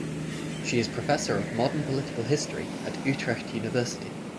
She is Professor of Modern Political History at Utrecht University.